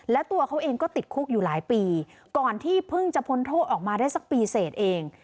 และตัวเขาเองก็ติดคุกอยู่หลายปีก่อนที่เพิ่งจะพ้นโทษออกมาได้สักปีเสร็จเอง